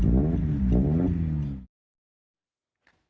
ครับพี่หนูเป็นช้างแต่งหน้านะ